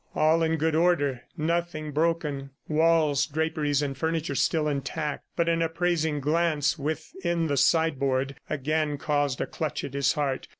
All in good order, nothing broken walls, draperies and furniture still intact; but an appraising glance within the sideboard again caused a clutch at his heart.